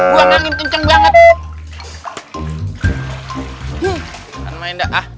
buang angin kenceng banget